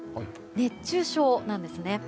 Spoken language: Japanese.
熱中症なんです。